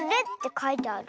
かいてある。